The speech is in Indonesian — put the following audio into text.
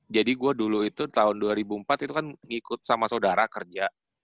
jadi gua dulu itu tahun dua ribu empat itu kan ngikut sama saudara kerja